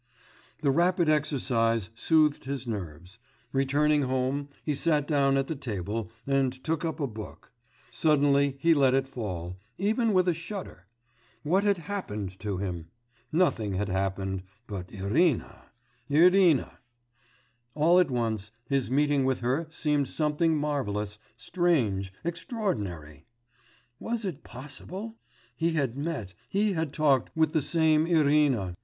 The rapid exercise soothed his nerves. Returning home he sat down at the table and took up a book; suddenly he let it fall, even with a shudder.... What had happened to him? Nothing had happened, but Irina ... Irina.... All at once his meeting with her seemed something marvellous, strange, extraordinary. Was it possible? he had met, he had talked with the same Irina....